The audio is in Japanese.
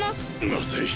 まずい！